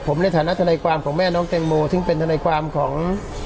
ผมในฐานะทนายความของแม่น้องแตงโมซึ่งเป็นทนายความของ